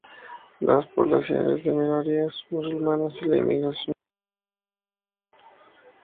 Las poblaciones de minorías musulmanas y la inmigración musulmana adquirieron una nueva importancia política.